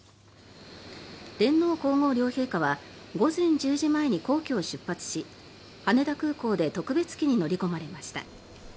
天皇・皇后両陛下は午前１０時前に皇居を出発し羽田空港で特別機に乗り込まれました。